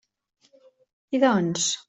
I doncs?